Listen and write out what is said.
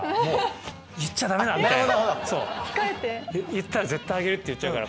言ったら絶対「あげる」って言っちゃうから。